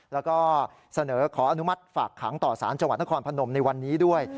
แล้วก็เสนอขออนุมัติฝากขังต่อสารจังหวัดนครพนมในวันนี้ด้วย